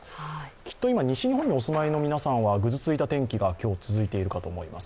きっと今、西日本にお住まいの皆さんはぐずついた天気が今日続いていると思います。